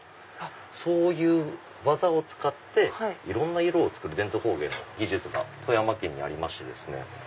そういう技を使っていろんな色を作る伝統工芸の技術が富山県にありましてですね。